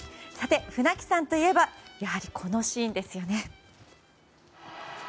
さて、船木さんといえばやはりこのシーンですよね。